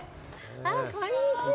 あっこんにちは。